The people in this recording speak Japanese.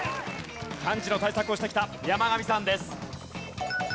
漢字の対策をしてきた山上さんです。